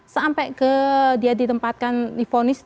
sampai dia ditempatkan di vonis